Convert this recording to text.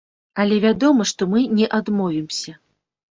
Але вядома, што мы не адмовімся.